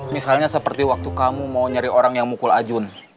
misalnya seperti waktu kamu mau nyari orang yang mukul ajun